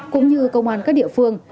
cũng như công an các địa phương